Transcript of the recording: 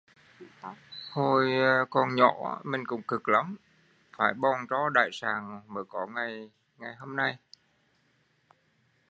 Hồi nhỏ cũng cực lắm, phải bòn tro đãi sạn mới có ngày ni